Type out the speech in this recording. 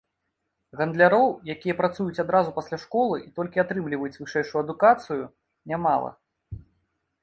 Гандляроў, якія працуюць адразу пасля школы і толькі атрымліваюць вышэйшую адукацыю, нямала.